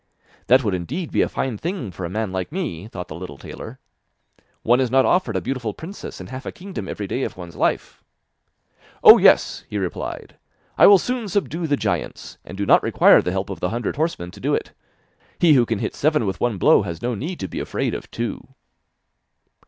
'That would indeed be a fine thing for a man like me!' thought the little tailor. 'One is not offered a beautiful princess and half a kingdom every day of one's life!' 'Oh, yes,' he replied, 'I will soon subdue the giants, and do not require the help of the hundred horsemen to do it; he who can hit seven with one blow has no need to be afraid of two.